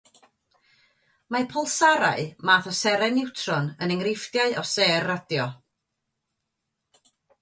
Mae pylsarau, math o seren niwtron, yn enghreifftiau o sêr radio.